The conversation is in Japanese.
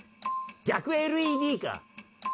「逆ＬＥＤか！」